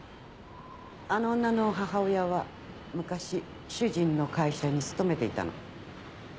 あの女の母親は昔主人の会社に勤めていたの。